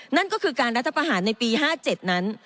นั่นก็คือการรัฐประหารในปี๕๗นั้น